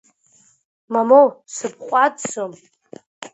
Мамоу, сыбҟәаҵӡом!